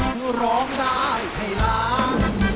คือร้องได้ให้ล้าน